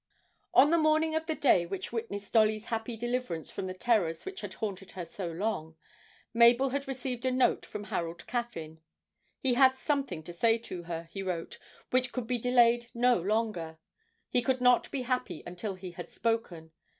On the morning of the day which witnessed Dolly's happy deliverance from the terrors which had haunted her so long, Mabel had received a note from Harold Caffyn. He had something to say to her, he wrote, which could be delayed no longer he could not be happy until he had spoken.